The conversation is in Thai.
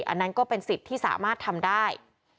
อันนั้นก็เป็นสิทธิ์ที่สามารถทำได้